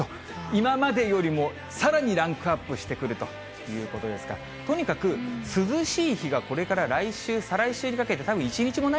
今までよりもさらにランクアップしてくるということですから、とにかく涼しい日がこれから来週、再来週にかけて、たぶん一日もな